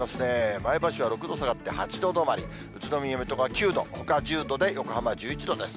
前橋は６度下がって８度止まり、宇都宮、水戸が９度、ほか１０度で、横浜１１度です。